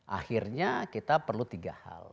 akhirnya kita perlu tiga hal